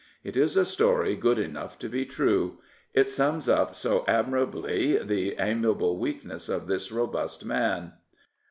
It is a story good enough to be true. It sums up so admir ably the amiable weakness of this robust man.